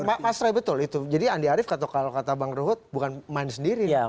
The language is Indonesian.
mas rey betul itu jadi andi arief kalau kata bang ruhut bukan main sendiri